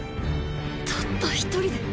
たった一人で。